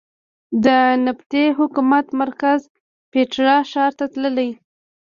د نبطي حکومت مرکز پېټرا ښار ته تللې.